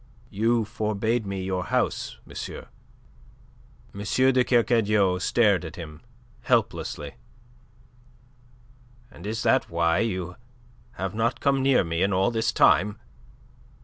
"You forbade me your house, monsieur." M. de Kercadiou stared at him helplessly. "And is that why you have not come near me in all this time?"